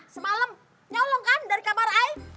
semalam nyolong kan dari kabar ai